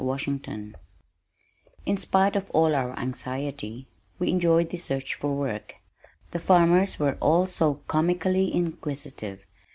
Washington In spite of all our anxiety, we enjoyed this search for work. The farmers were all so comically inquisitive.